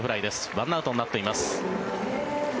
１アウトになっています。